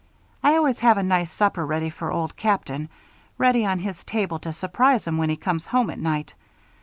I always have a nice supper ready for Old Captain, ready on his table to surprise him when he comes home at night.